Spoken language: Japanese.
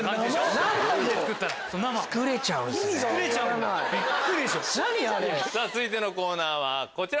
何あれ⁉続いてのコーナーはこちら。